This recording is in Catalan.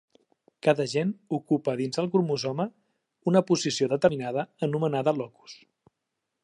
Cada gen ocupa dins el cromosoma una posició determinada anomenada locus.